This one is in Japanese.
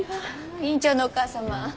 院長のお母様。